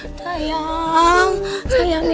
sebentar sebentar sebentar sebentar